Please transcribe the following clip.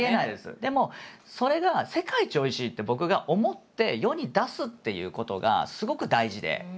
でもそれが世界一おいしいって僕が思って世に出すっていうことがすごく大事で。